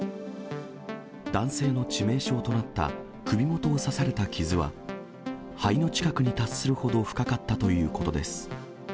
男性の致命傷となった首元を刺された傷は、肺の近くに達するほど深かったということです。